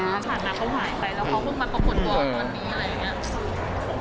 ผ่านมาเขาหายไปแล้วเขาพึ่งมาประคุณบอกว่ามันมีอะไรอย่างนี้